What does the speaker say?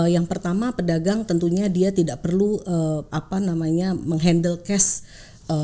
yang pertama pedagang tentunya dia tidak perlu apa namanya menghandle cash secara secara secara secara